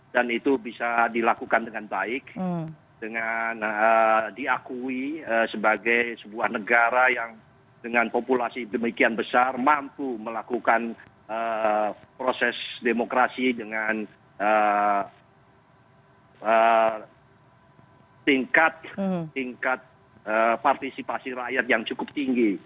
dan itu bisa dilakukan dengan baik dengan diakui sebagai sebuah negara yang dengan populasi demikian besar mampu melakukan proses demokrasi dengan tingkat partisipasi rakyat yang cukup tinggi